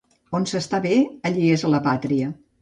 On s'està bé, allí és la pàtria.